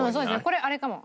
これあれかも。